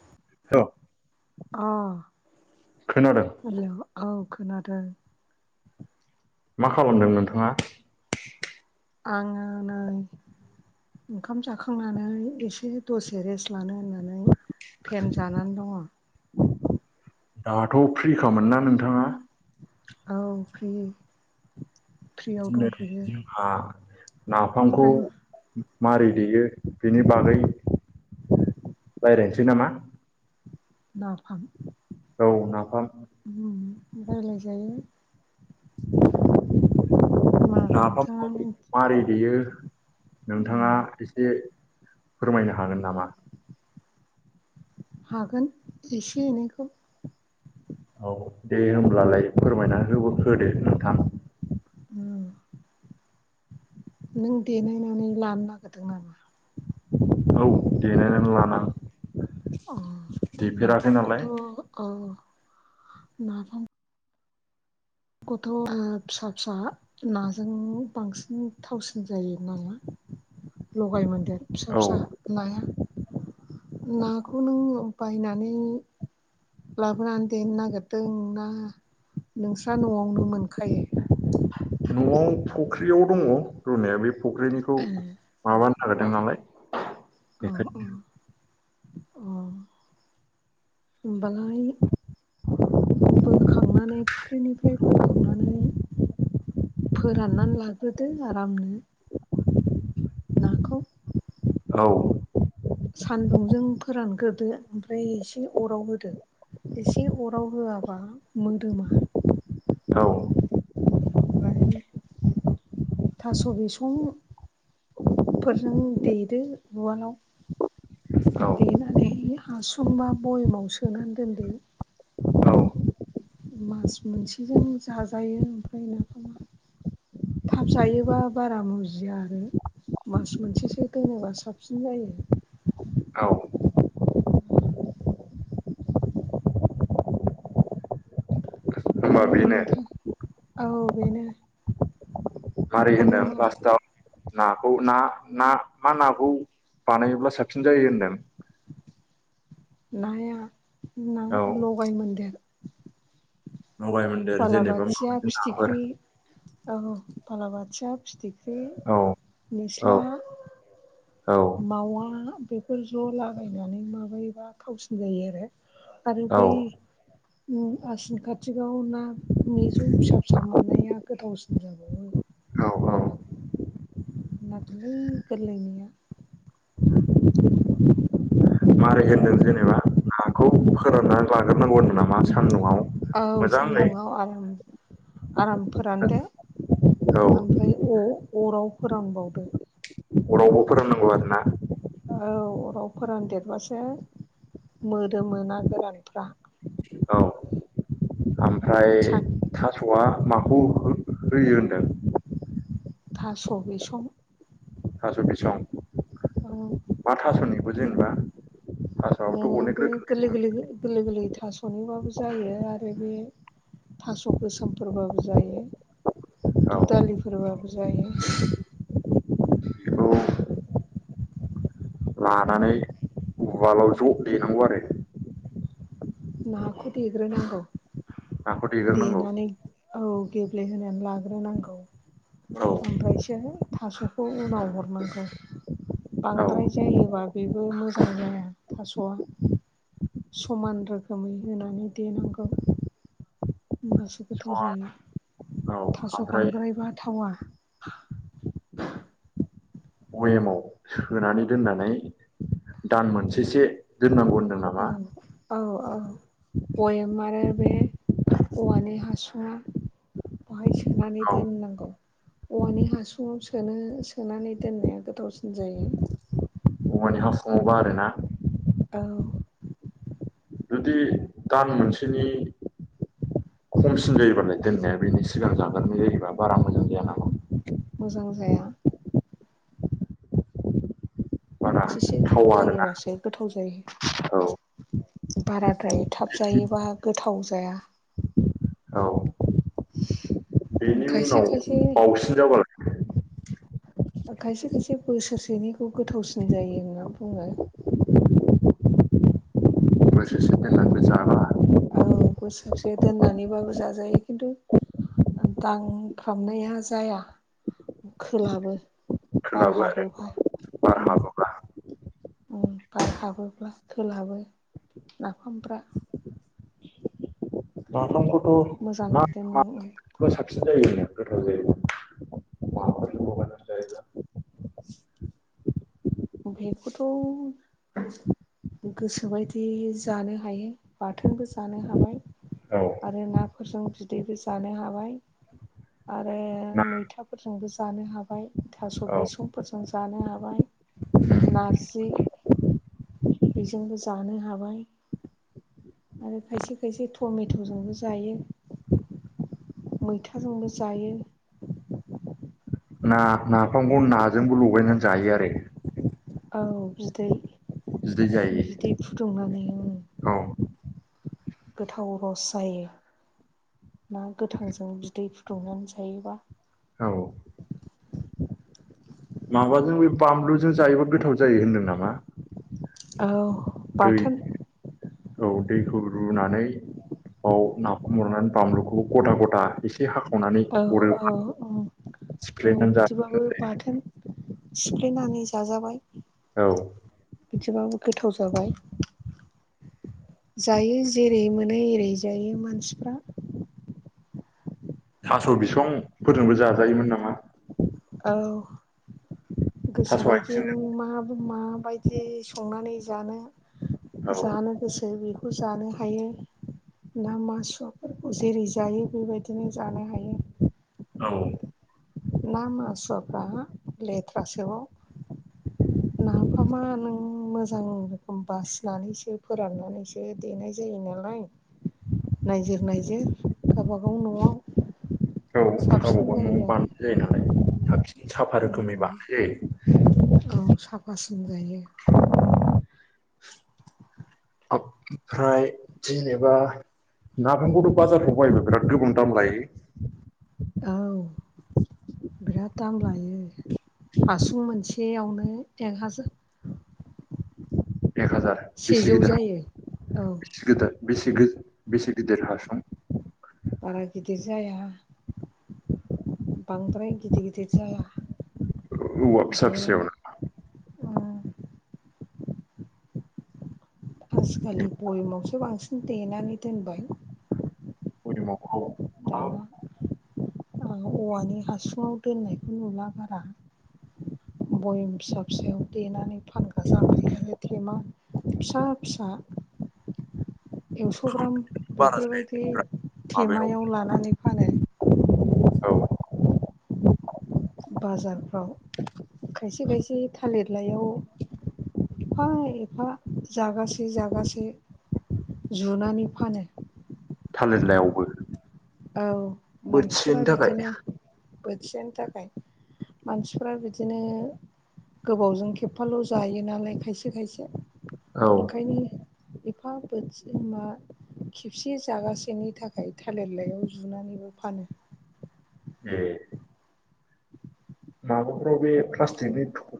[unintelligible] अ खोनादों हेलौ औ। खोनादों। मा खालामदों नोंथाङा? आङो नै ओंखाम जाखांनानै एसे दसे रेस्ट लानो होननानै। फेन जानानै दङ। दाथ' फ्रिखामोन ना नोंथाङा? औ फ्रि। फ्रियाव दिनै दंथ'यो जोंहा नाफामखौ ओमफ्राय मारै देयो बिनि बागै रायलानोसै नामा। नाफाम। औ नाफाम। रायलाय जायो। नाफामखौ मारै देयो। उम नोंथाङा एसे फोरमायनो हागोन नामा? हागोन एसे एनोखौ। औव दे होमब्लालाय फोरमायना हो होदो नोंथां। उम नों देनायनानै लानो नागिरदों नामा। औव देनायनानै लानो आं। अ मा नालाय फंनखौथ' ओ मा बुंनो गथ' फिसा फिसा नाजों बांसिन थावसिन जायो नालाय। लगाय मोनदेर फिसा औ फिसा नाया नाखौ नों बायनानै लाबोनानै देनो नागिरदों ना नोंसोर ना न'आवनो मोनखायो न'आव फुख्रियाव दङ रुनाया बे फुख्रिनिखौ माबानो नागिरदों नालाय अ अ बेखायनो अ ओम बालाय बोखांनानै ओंख्रिनिफ्राय बोखांनानै फोराननानै लाग्रोदो आरामनो नाखौ औ सानदुंजों फोरानग्रोदो ओमफ्राय एसे अराव होदो एसे अराव होआबा मोदोमा औ [unintelligible] थास' बिसंफोरजों देेदो उवालाव औ देनानै हासंबा बयेमाव सोनानै दोनदो औ मास मोनसेजों जाजायो ओमफ्राय नाफामा थाब जायोबा बारा मुजिया आरो मास मोनसेसो दोनोबा साबसिन जायो औव होमबा ओमफ्राय बेनो नोंथां औव बेनो मारै आरो होनदों मा फारसथाव नाखौ ना ना मा नाखौ बानायोब्ला साबसिन जायो होनदों नाया ना औ लगाय मोनदेर लगाय मोन्देर जेनेबा बालाबाथिया माबायदि नाफोर फिथिख्रि औव बालाबाथिया फिथिख्रि औ निस्ला औ मावा बेफोर ज' लागायनानै माबायोबा थावसिन जायो आरो आरो औ बै उम आसिन खाथिगाव ना मिजौ फिसा फिसा मोननाया गोथावसिन जाबावो औव औव नाथुरलै गोरलैनिया [unintelligible] मारै होनदों जेनेबा नाखौ फोरानना लाग्रोनांगौ होनदों नामा सानदुंआव औव सान्दुंआव आराम आराम फोरानदो औ ओमफ्राय अ अराव फोरानबावदो अरावबो फोरोंनांगौ आरो ना औव अराव फोरानदेरबासो मोदो औव सा ओमफ्राय थास'आ माखौ हो होयो होनदों थास' बिसं थास' बिसं औ मा थास'निबो जेनेबा थास'आबोथ' बे अनेक रोखोम गोरलै गोरलै गोरलै गोरलै थास'निबाबो जायो आर फाय बे थास' गोसोम फोरबाबो जायो दु औ दालिफोरबबो जायो बेखौ लानानै उवालाव ज' देनांगौ आरो नाखौ देग्रोनांगौ नाखौ देग्रोनांगौ देनानै औ गेब्लेहोनानै लाग्रोनांगौ औ ओमफायसो थास'खौ उनाव हरनांगौ बांद्राय औ जायोबा बेब बो मोजां जाया थास'आ समान रोख खोमै होनानै देनांगौ होनोमबासो गोथाव जायो। औ थास' ओमफ्राय बांद्रायबा थावा। बयेमाव सोनानै दोननानै दान मोनसेसो दोननांगौ होन औ औ औ। गयेम आरो बे औवानि हासुआ। बाहाय सोनानै औ दोननांगौ। औवानि हासुंङाव सोनो सोनानै दोननाया गोथावसिन जायो। औवानि हासुंआवबा आरो ना। औ। जुदि दान मोनसेनि। खमसिन जायोबालाय दोननाया बेनि सिगां जागोरनाय जायोबा बारा मोजां जाया नामा? मोजां जाया बारा मोनसेसो थावा दोनथारो आरोना बासो गोथाव ज औ जायो बाराद्राय थाब जायोबा गोथाव जाया। औ बेनि खायसेख उनाव बावसिन जाबाला खायसे खायसे बोसोरसेनिखौ गोथावसिन जायो होनना बुङो। बोसोरसे दोननानै जाबा औ बोसोरसे दोननानैबाबो जाजायो खिन्थु। दांफ्रामनाया जाया। खोलाबो बार सोलाबो आरो हाबोबा बार उम। हाबोब्ला उम बार हाबोब्ला खोलाबो नाफामब्रा। मोजांङै दोननांगौ उम फो साबसिन जायो होनो गोथाव जायो। बेखौथ'। गोसोबायदि जानो हायो बाथोनबो जानो हाबाय। आरो नाफोरजों बिदैबो जानो हाबाय। आरो नाफोरजों लगायनानै जायोब्ला औ ना मैथाफोरजोंबो जानो हाबाय थास' औ बिसंफोरजों जानो हाबाय। नारजि बेजोंबो जानो हाबाय। आरो खायसे खायसे टमेट'जोंबो जायो। मैथाजोंबो जायो। ना नाफामखौ नाजोंबो लगायनानै जायो आरो। औ बिदै बिदै जायो बिदै फुदुंनानै उम। औ गोथाव रस जायो। ना गोथांजों बिदै फुदुंनानै जायोबा। औ माबाजों बे बानलुजों जायोबा गोथाव जायो होनदों नामा? औ। दै। बाथोन औ दैखौ रुनानै बाव नाफाम हरनानै बानलुखौबो गदा गदा एसे हाख औ औ औ औ सिफ्लेनानै जा बिदिबाबो बाथोन। सिफ्लेनानै जाजाबाय। औ बिदिबाबो गोथाव जाबाय। जायो जेरै मोनो एरै जायो मानसिफ्रा। थास' बिसंफोरजोंबो जाजायोमोन नामा औ थास' गोसोबायदि आथिंजों नों मा माबायदि संनानै जानो औ जानो गोसो बेखौ जानो हायो ना मासुवफोरखौ जेरै जायो बेबायदिनो जानो हायो औ ना मासुवाफ्रा लेथ्रासोआव नाफामा नों मोजां रोखोम बासिनानैसो फोराननानैसो देनाय जायो फायो नालाय नायजिर नायजिर गावबागाव न'आव गाबा साबसिन गाव न'आव जायो आरो बानो जायो नालाय साबसिन साफा रोखोमै बानायनाय जायो। औ साफासिन जायो। [unintelligible] फ्राय जेनेबा नाफामखौथ' बाजारफ्राव बायबा बिराद गोबां दाम लायो? औ बिराद दाम लायो हासुं मोनसे सेयावनो एक हाजा एक हाजार बेसे गिदिर जायो औ बेसे गोदोर? बेसे गोद बेसे गिदिर हासुं? बारा गिदिर जाया। बांद्राय गिदिर गिदिर जाया। अ औवा फिसा बेनो फिसायावनो? आजिखालि बयमावसो बांसिन देनानै दोनबाय। [unintelligible] दाना। आं औवानि हासुङाव दोननायखौ नुला बारा बयम फिसा फिसायाव देनानै फानग्रा जाबाय आरो थेमा फिसा फिसा एक्स' ग्राम बारा बेफोरबायदि जायो माबायाव थेमायाव लानानै फानो। औ बाजारफ्राव खायसे खायसे थालिर बिलाइयाव एफा एफा जागासे जागासे जुनानै फानो। थालिरलायावबो? औ मानसिफोरा बिदिनो बोथिसेनि थाखाय मानसिफ्रा बिदिनो गोबावजों खेबफाल' जायो नालाय खायसे खायसे औ ओंखायनो एफा बोथोसे मा खेबसे जागासेनि थाखाय थालेर बिलाइायाव जुनानैबो फानो। ए माबाफ्राव बे प्लास्टिकनि थुखु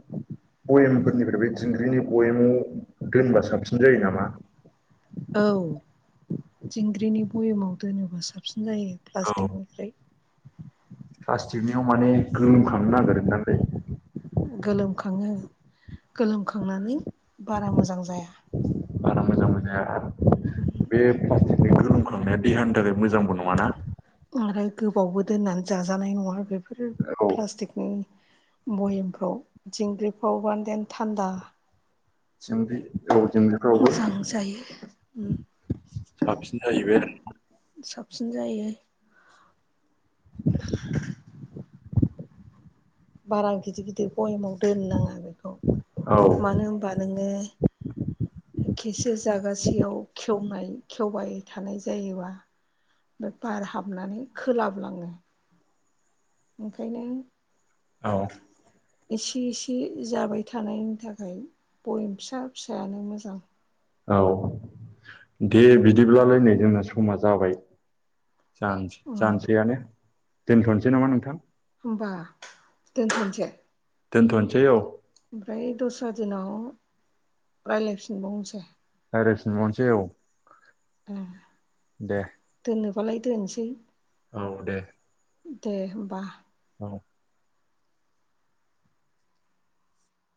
बयेमफोरनिफ्राय बे दिंग्रिनि बयेमाव दोनबा साबसिन जायो नामा? औ दिंग्रिनि बयेमाव दोनोबा साबसिन जायो औ प्लास्टिकनिफ्राय। प्लास्टिकनियाव माने गोलोमखांनो नागिरोदांलै। खाङो गोलोमखांनानै बारा मोजां जाया। बारा मोजां मोनजाया बे प्लास्टिकनि गोलोम खांनाया देहानि थाखा मोजांबो नङा ना? आरो गोबावबो दोननानै जाजानाय नङा बेफोर औ प्लास्टिकनि बयेमफ्राव दिंग्रिफ्रावबानदेन थान्दा [unintelligible] औ दिंग्रिफोरावबो मोजां जायो साबसिन जाहैबाय आरो सिन जायो [inaudible] बारा गिदिर गिदिर बयेमाव दोननाङा बेखौ आरो मानो औ होनबा नोङो खेसे जागासेयाव खेवनाय खेवबाय थानाय जायोबा बे बार हाबनानै खोलाबलाङो ओंखायनो औ एसे एसे जाबाय थानायनि थाखाय बयेम फिसा फिसायानो मोजां। औ दे बिदिब्लालाय नै जोंना समा जाबाय। जानोसै अ जानोसैयानो दोनथ'नोसै नामा नोंथां होनबा दोनथ'नसै दोनथ'नोसै औ फ्रा दिनाव रायज्लायफिनबावनसे रायफिनबावनोसै औ उम दे दोननोबालाय दोनसै औ दे दे होमबा। [inaudible]